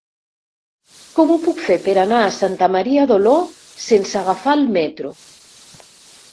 Com ho puc fer per anar a Santa Maria d'Oló sense agafar el metro?